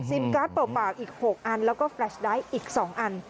การ์ดเปล่าอีก๖อันแล้วก็แฟลชไดท์อีก๒อัน